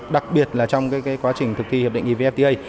đặc biệt là trong quá trình thực thi hiệp định evfta